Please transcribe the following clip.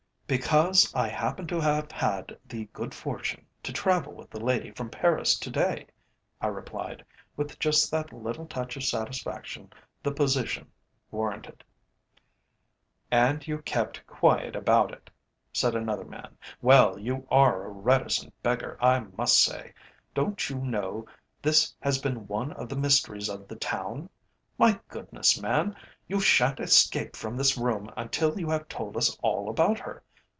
"Because I happen to have had the good fortune to travel with the lady from Paris to day," I replied, with just that little touch of satisfaction the position warranted. "And yet you kept quiet about it," said another man. "Well, you are a reticent beggar, I must say. Don't you know this has been one of the mysteries of the town. My goodness, man, you shan't escape from this room until you have told us all about her!